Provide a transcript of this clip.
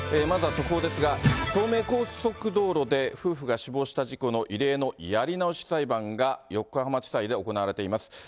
まずは速報ですが、東名高速道路で夫婦が死亡した事故の異例のやり直し裁判が横浜地裁で行われています。